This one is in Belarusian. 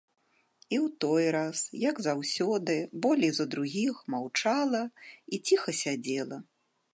І ў той раз, як заўсёды, болей за другіх маўчала і ціха сядзела.